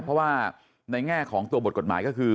เพราะว่าในแง่ของตัวบทกฎหมายก็คือ